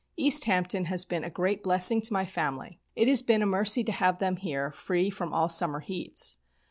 East Hampton has been a great blessing to my family. It has been a mercy to have them here, free from all summer heats.